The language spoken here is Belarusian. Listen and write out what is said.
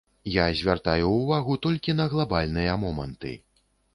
Я звяртаю ўвагу толькі на глабальныя моманты.